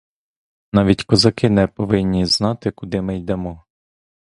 Навіть козаки не повинні знати, куди ми йдемо.